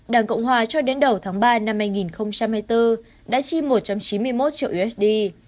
đảng cộng hòa cho đến đầu tháng ba năm hai nghìn hai mươi bốn đã chi một trăm chín mươi một triệu usd